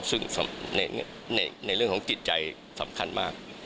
ซึ่งในเรื่องของจิตใจสำคัญมาก